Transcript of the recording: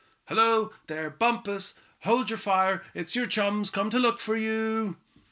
Hello! there, Bumpus, hold your fire. It's your chums come to look you up."